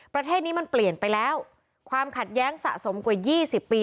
ประเทศนี้มันเปลี่ยนไปแล้วความขัดแย้งสะสมกว่า๒๐ปี